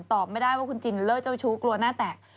ตอบไม่ได้ว่าคุณจินเลอร์เจ้าชู้กลัวหน้าแตก